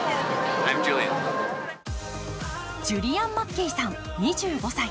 ジュリアン・マッケイさん２５歳。